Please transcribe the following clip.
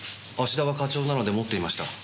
芦田は課長なので持っていました。